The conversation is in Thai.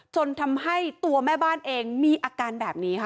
จนทำให้ตัวแม่บ้านเองมีอาการแบบนี้ค่ะ